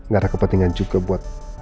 gak ada kepentingan juga buat